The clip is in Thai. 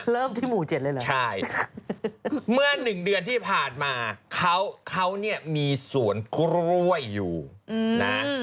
เริ่มที่หมู่๗เลยเหรอใช่เมื่อ๑เดือนที่ผ่านมาเขาเนี่ยมีสวนกล้วยอยู่นะ